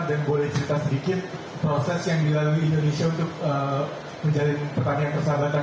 dan boleh cerita sedikit proses yang dilalui indonesia untuk menjalin pertanian persahabatan